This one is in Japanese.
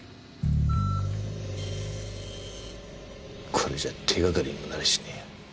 これじゃ手掛かりにもなりゃしねえや。